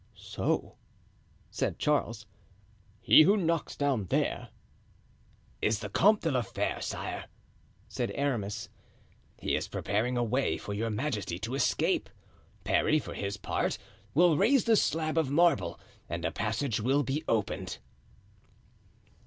"So," said Charles, "he who knocks down there——" "Is the Comte de la Fere, sire," said Aramis. "He is preparing a way for your majesty to escape. Parry, for his part, will raise this slab of marble and a passage will be opened."